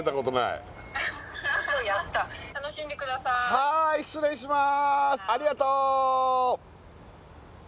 はい失礼します